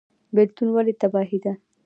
بیلتون ولې تباهي ده؟